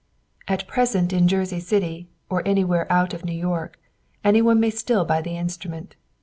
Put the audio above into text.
At present in Jersey City, or anywhere out of New York, any one may still buy the instrument.